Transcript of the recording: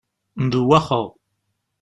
Ndewwaxeɣ.